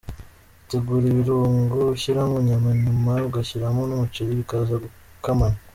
Utegura ibirungo ushyira mu nyama nyuma ugashyiramo n’umuceri bikaza gukamana”.